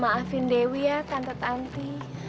maafin dewi ya tante tanti